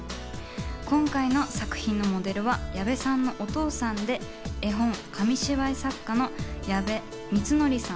今回の作品のモデルは矢部さんのお父さんで、絵本・紙芝居作家のやべみつのりさん。